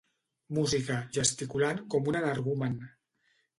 Música, gesticulant com un energumen.